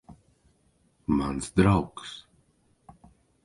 Mans draugs.